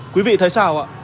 quý vị thấy sao